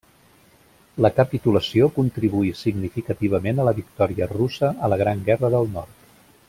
La capitulació contribuí significativament a la victòria russa a la Gran Guerra del Nord.